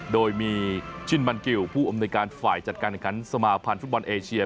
โดยมีชินมันกิวผู้อำนวยการฝ่ายจัดการแข่งขันสมาภัณฑ์ฟุตบอลเอเชีย